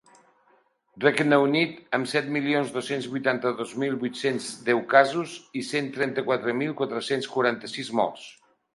Regne Unit, amb set milions dos-cents vuitanta-dos mil vuit-cents deu casos i cent trenta-quatre mil quatre-cents quaranta-sis morts.